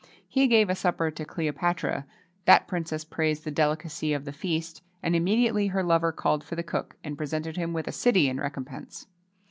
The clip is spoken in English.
He gave a supper to Cleopatra; that princess praised the delicacy of the feast, and immediately her lover called for the cook, and presented him with a city, in recompense.